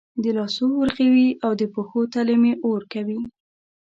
د لاسو ورغوي او د پښو تلې مې اور کوي